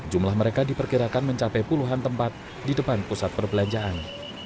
jumlah mereka diperkirakan mencapai puluhan tempat di depan pusat perbelanjaan